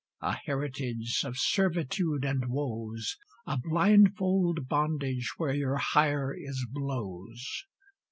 A heritage of servitude and woes, A blindfold bondage, where your hire is blows.